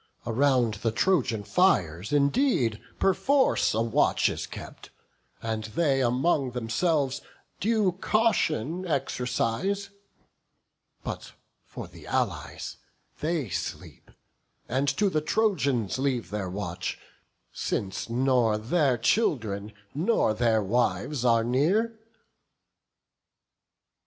Around the Trojan fires indeed, perforce, A watch is kept; and they, among themselves, Due caution exercise: but, for th' Allies, They sleep, and to the Trojans leave the watch, Since nor their children nor their wives are near."